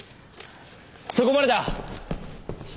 そこまでだ！